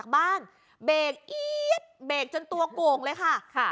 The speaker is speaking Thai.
เบกอี๊ดเบกจนตัวกล่วงเลยค่ะ